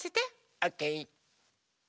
オッケー！